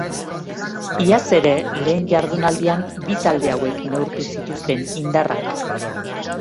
Iaz ere lehen jardunaldian bi talde hauek neurtu zituzten indarrak.